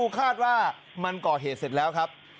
คาดว่ามันก่อเหตุเสร็จแล้วครับ